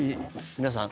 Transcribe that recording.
皆さん。